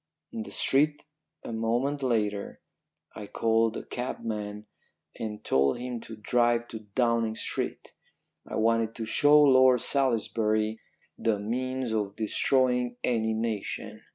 "In the street a moment later I called a cabman and told him to drive to Downing Street. I wanted to show Lord Salisbury the means of destroying any nation.